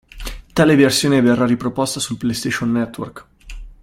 Tale versione verrà riproposta sul PlayStation Network.